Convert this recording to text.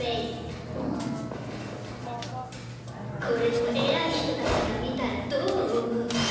これを偉い人たちが見たらどう思う？